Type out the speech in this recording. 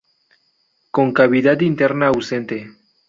Con cavidad interna ausente.